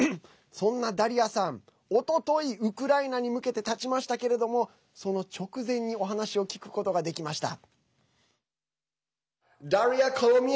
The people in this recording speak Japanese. そんなダリアさん、おとといウクライナに向けてたちましたけれどもその直前にお話を聞くことができました。